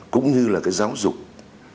cũng như là cái giáo dục chính trị đạo đức